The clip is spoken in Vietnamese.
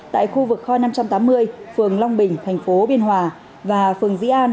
tại khu vực kho năm trăm tám mươi phường long bình thành phố biên hòa và phường dĩ an